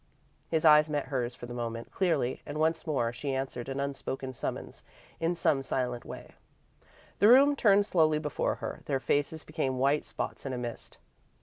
His eyes met hers for the moment, clearly, and, once more, she answered an unspoken summons in some silent way. The room turned slowly before her; their faces became white spots in a mist.